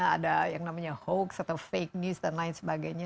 ada yang namanya hoax atau fake news dan lain sebagainya